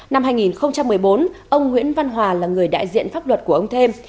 năm hai nghìn một mươi bốn ông nguyễn văn hòa là người đại diện pháp luật của ông thêm